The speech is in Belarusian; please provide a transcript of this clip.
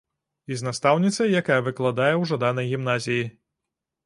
І з настаўніцай, якая выкладае ў жаданай гімназіі.